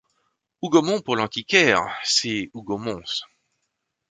Hougomont, pour l’antiquaire, c’est Hugomons.